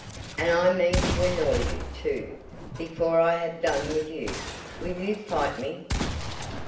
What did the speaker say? "And I mean to annoy you, too, before I have done with you. Will you fight me?"